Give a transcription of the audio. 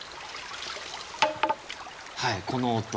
はいこの音。